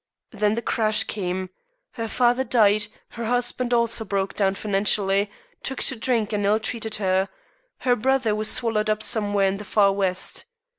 Then the crash came. Her father died; her husband also broke down financially, took to drink and ill treated her; her brother was swallowed up somewhere in the Far West.